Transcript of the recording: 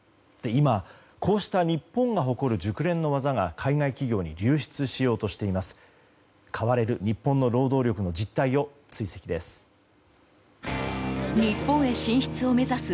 今、こうした日本が誇る熟練の技が海外企業に流出しようとしています。